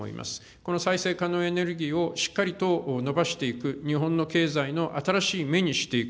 この再生可能エネルギーをしっかりと伸ばしていく、日本の経済の新しいめにしていく。